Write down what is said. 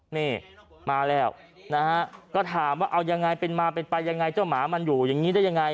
นี่มาแล้วนะฮะก็ถามว่าเอายังไงเป็นมาเป็นไปยังไงเจ้าหมามันอยู่อย่างนี้ได้ยังไง